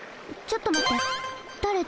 ちょっとまって。